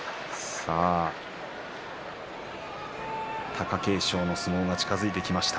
貴景勝の相撲が近づいてきました。